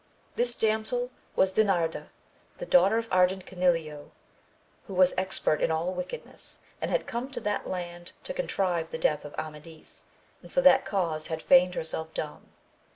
This damsel was Di narda, the daughter of Ardan Canileo, who was expert in all wickedness, and had come to that land to con trive the death of Amadis, and for that cause had feigned herself dumb.